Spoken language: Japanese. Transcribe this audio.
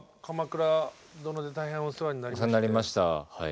お世話になりました。